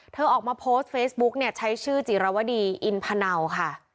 เธอออกมาโพสต์เฟซบุ๊กเนี่ยใช้ชื่อจิรวดีอินพนาวค่ะ